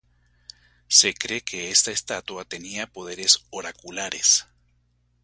Se cree que esta estatua tenía poderes oraculares.